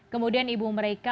kemudian ibu merdeka